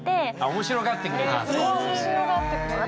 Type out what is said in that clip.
面白がってくれたんだね。